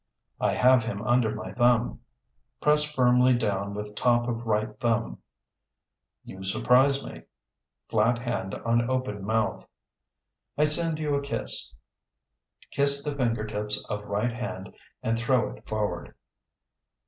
I have him under my thumb (Press firmly down with top of right thumb). You surprise me (Flat hand on open mouth). I send you a kiss (Kiss the finger tips of right hand and throw it forward).